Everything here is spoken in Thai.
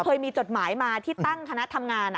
เคยมีจดหมายมาที่ตั้งคณะทำงาน